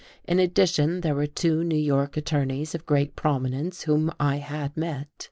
In addition, there were two New York attorneys of great prominence, whom I had met.